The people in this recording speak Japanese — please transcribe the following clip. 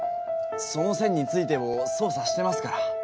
その線についても捜査してますから。